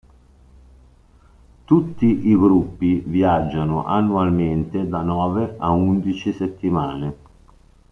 Tutti i gruppi viaggiano annualmente da nove a undici settimane.